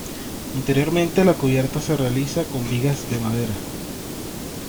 Interiormente la cubierta se realiza con vigas de madera.